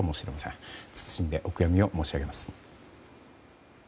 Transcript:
謹んでお悔やみを申し上げます。